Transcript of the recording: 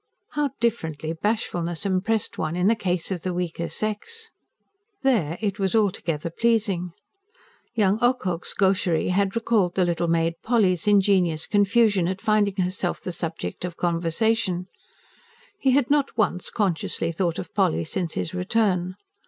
How differently bashfulness impressed one in the case of the weaker sex! There, it was altogether pleasing. Young Ocock's gaucherie had recalled the little maid Polly's ingenuous confusion, at finding herself the subject of conversation. He had not once consciously thought of Polly since his return.